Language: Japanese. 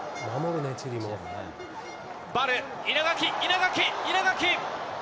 ヴァル、稲垣、稲垣、稲垣。